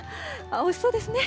おいしそうですね。